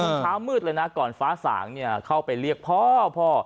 หมายถึงว่าช้ามืดเลยนะก่อนฟ้าส่างเข้าไปเรียกพ่อ